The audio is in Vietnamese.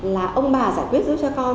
là ông bà giải quyết giúp cho con